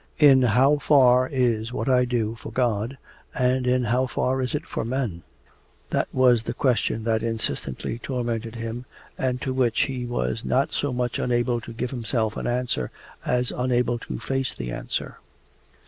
'In how far is what I do for God and in how far is it for men?' That was the question that insistently tormented him and to which he was not so much unable to give himself an answer as unable to face the answer.